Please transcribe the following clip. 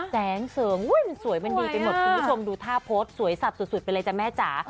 แสงเสริงมันสวยมันดีไปหมดคุณผู้ชมดูท่าโพสต์สวยสับสุดไปเลยจ้ะแม่จ๋า